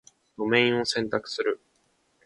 ドメインを選択する